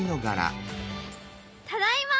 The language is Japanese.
ただいま。